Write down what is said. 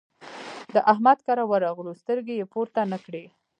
د احمد کره ورغلو؛ سترګې يې پورته نه کړې.